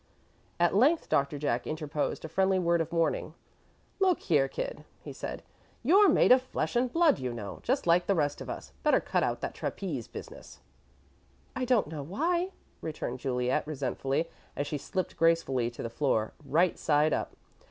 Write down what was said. At length Doctor Jack interposed a friendly word of warning. "Look here, kid," he said, "you're made of flesh and blood, you know, just like the rest of us. Better cut out that trapeze business." "I don't know why," returned Juliet, resentfully, as she slipped gracefully to the floor, right side up.